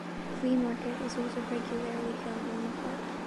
A flea market is also regularly held in the park.